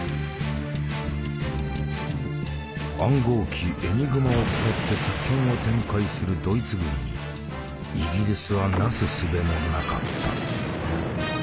暗号機エニグマを使って作戦を展開するドイツ軍にイギリスはなすすべもなかった。